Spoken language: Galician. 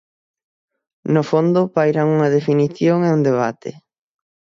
No fondo pairan unha definición e un debate.